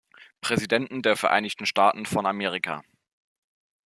Präsidenten der Vereinigten Staaten von Amerika.